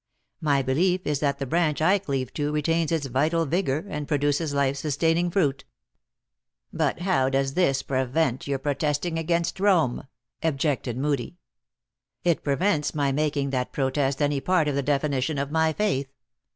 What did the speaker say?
My belief is that the branch I cleave to retains its vital vigor arid produces life sustaining fruit." " But how does this prevent your protesting against Rome?" objected Moodie. " It prevents my making that protest any part of the definition of my faith.